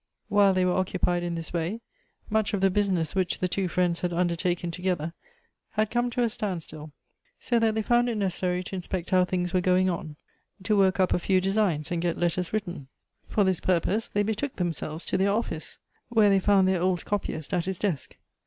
While they were occupied in this way, much of the business which the two friends had undertaken together had come to a stand still ; so that they found it necessary to inspect how things were going on — to work up a few designs and get letters written. For this purpose, they betook themselves to their oflBce, where they found their old copyist at his desk.